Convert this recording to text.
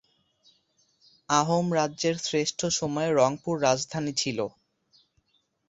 আহোম রাজ্যের শ্রেষ্ঠ সময়ে রংপুর রাজধানী ছিল।